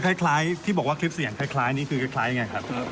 คล้ายที่บอกว่าคลิปเสียงคล้ายนี้คือคล้ายยังไงครับ